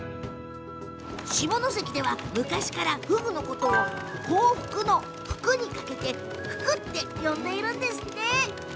下関では昔からふぐのことを幸福の福にかけてふくって呼んでいるんですって！